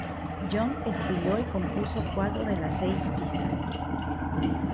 Jung escribió y compuso cuatro de las seis pistas.